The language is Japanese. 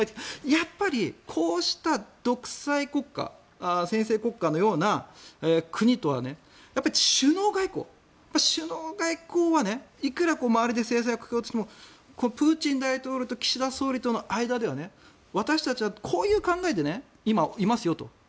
やっぱりこうした独裁国家専制国家のような国とは首脳外交首脳外交はいくら周りで制裁をかけようとしてもプーチン大統領と岸田総理との間では私たちはこういう考えで今、いますよと。